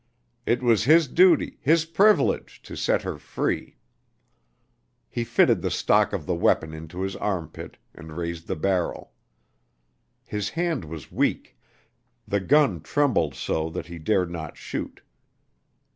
It was his duty, his privilege, to set her free. He fitted the stock of the weapon into his armpit, and raised the barrel. His hand was weak; the gun trembled so that he dared not shoot.